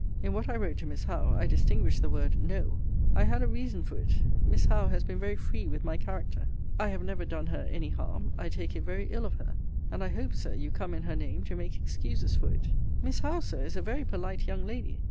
In what I wrote to Miss Howe, I distinguished the word KNOW. I had a reason for it. Miss Howe has been very free with my character. I have never done her any harm. I take it very ill of her. And I hope, Sir, you come in her name to make excuses for it. Miss Howe, Sir, is a very polite young lady.